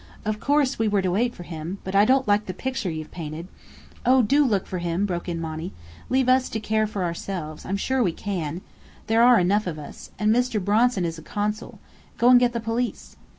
Of course we were to wait for him, but I don't like the picture you've painted " "Oh, do look for him!" broke in Monny. "Leave us to take care of ourselves. I'm sure we can. There are enough of us. And Mr. Bronson is a Consul. Go and get the police."